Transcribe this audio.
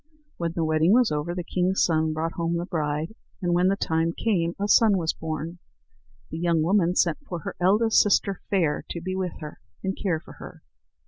When the wedding was over, the king's son brought home the bride, and when the time came a son was born. The young woman sent for her eldest sister, Fair, to be with her and care for her.